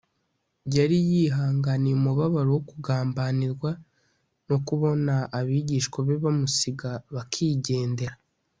yari yihanganiye umubabaro wo kugambanirwa, no kubona abigishwa be bamusiga bakigendera